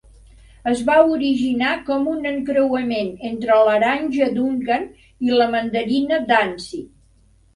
Es va originar com un encreuament entre l'aranja Duncan i la mandarina Dancy.